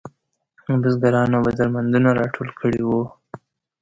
بزګرانو به درمندونه راټول کړي وو.